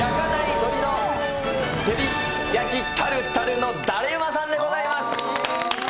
鶏の照り焼きタルタルのだれウマさんでございます。